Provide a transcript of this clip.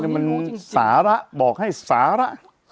มันสาระบอกให้สาระ